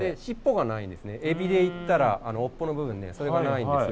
エビで言ったらあの尾っぽの部分それがないんですよ。